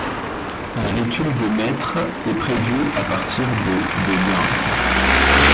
Un recul de mètres est prévu à partir de de gains.